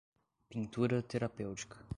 Pintura terapêutica